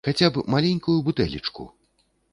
Хаця б маленькую бутэлечку!